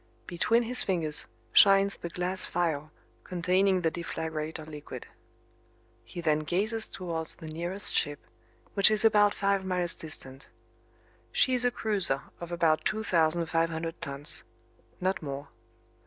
Between his fingers shines the glass phial containing the deflagrator liquid. He then gazes towards the nearest ship, which is about five miles' distant. She is a cruiser of about two thousand five hundred tons not more.